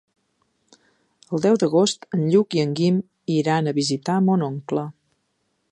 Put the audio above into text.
El deu d'agost en Lluc i en Guim iran a visitar mon oncle.